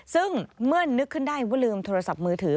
ซึ่งเมื่อนึกขึ้นได้ว่าลืมโทรศัพท์มือถือ